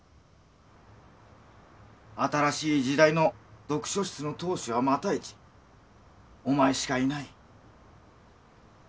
新しい時代の読書室の当主は復一お前しかいない。